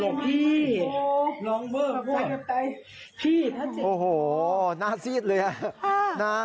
ลองเบิ้ลพวกพี่โอ้โหหน้าซีดเลยอ่ะ